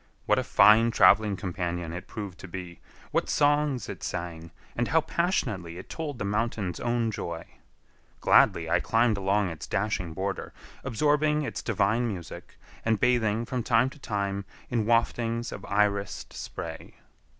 What a fine traveling companion it proved to be, what songs it sang, and how passionately it told the mountain's own joy! Gladly I climbed along its dashing border, absorbing its divine music, and bathing from time to time in waftings of irised spray.